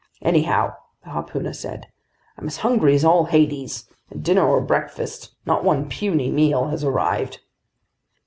"Anyhow," the harpooner said, "I'm as hungry as all Hades, and dinner or breakfast, not one puny meal has arrived!"